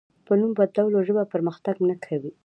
په نوم بدلولو ژبه پرمختګ نه کوي.